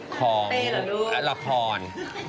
ของละคร